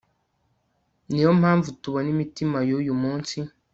Niyo mpamvu tubona imitima yuyu munsi